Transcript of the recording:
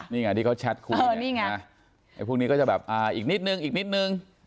นี่ไงที่เขาแชทคูยพวกนี้ก็จะแบบอีกนิดนึง